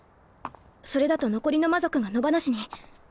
それだと残りの魔族が野放しに。